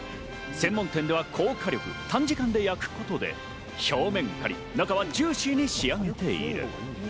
専門店では高火力、短時間で焼くことで表面カリッ、中はジューシーに仕上げている。